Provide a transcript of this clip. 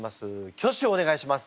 挙手をお願いします。